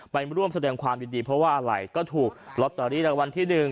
ไปร่วมแสดงความยินดีเพราะว่าอะไรก็ถูกลอตเตอรี่รางวัลที่หนึ่ง